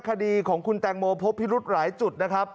คดีของคุณแต่งโมพบพิรุธหลายจุด